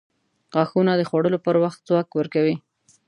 • غاښونه د خوړلو پر وخت ځواک ورکوي.